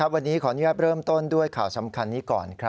วันนี้ยับเริ่มต้นด้วยข่าวสำคัญนี้ก่อน